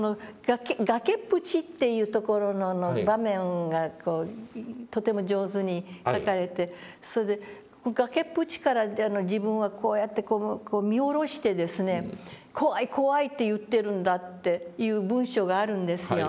崖っぷちというところの場面がこうとても上手に書かれてそれで崖っぷちから自分はこうやってこう見下ろしてですね怖い怖いと言ってるんだっていう文章があるんですよ。